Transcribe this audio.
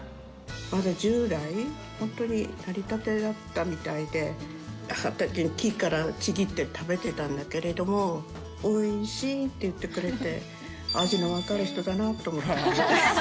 まだ１０代、本当になりたてだったみたいで、畑で木からちぎって食べてたんだけれども、おいしいって言ってくれて、味の分かる人だなと思って。